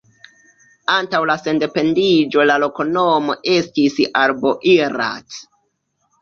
Antaŭ la sendependiĝo la loknomo estis Al-Boirat.